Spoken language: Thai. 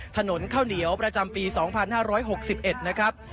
ถนนข้าวเหนียวประจำปี๒๕๖๑นะครับ